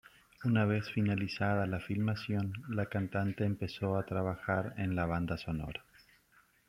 Una vez finalizada la filmación, la cantante empezó a trabajar en la banda sonora.